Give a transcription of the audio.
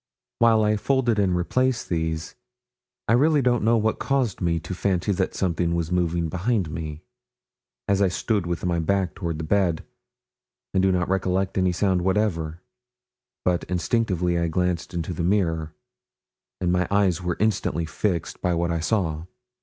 While I folded and replaced these, I really don't know what caused me to fancy that something was moving behind me, as I stood with my back toward the bed. I do not recollect any sound whatever; but instinctively I glanced into the mirror, and my eyes were instantly fixed by what I saw.